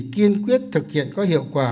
kiên quyết thực hiện có hiệu quả